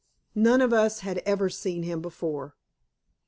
None of us had ever seen him before.